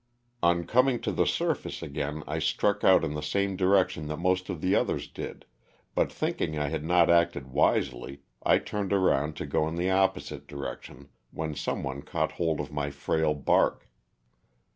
On coming to the surface again I struck out in the same direction that most of the others did, but think ing I had not acted wisely I turned around to go in the opposite direction when some one caught hold of my frail bark.